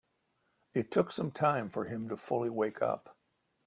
It took some time for him to fully wake up.